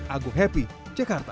agung happy jakarta